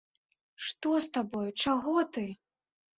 Што з табою, чаго ты?